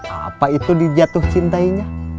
apa itu di jatuh cintainya